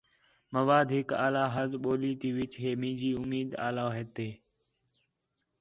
مواد ہِک علاحدی ٻولی تے وِچ ہِے منجی اُمید آ علاحدہ ہِے۔